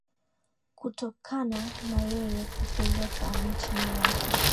kutokana na yeye kupeleka nchini mwake